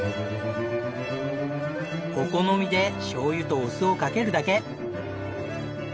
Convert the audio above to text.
お好みでしょうゆとお酢をかけるだけ。